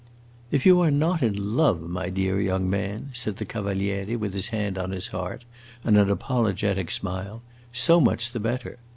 "If you are not in love, my dear young man," said the Cavaliere, with his hand on his heart and an apologetic smile, "so much the better.